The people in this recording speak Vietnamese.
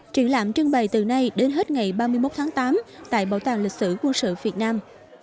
triển lãm trưng bày từ nay đến hết ngày ba mươi một tháng tám tại bảo tàng lịch sử quân sự việt nam